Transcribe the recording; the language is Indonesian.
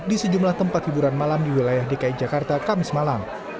di sejumlah tempat hiburan malam di wilayah dki jakarta kamis malam